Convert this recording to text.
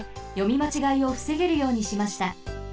まちがいをふせげるようにしました。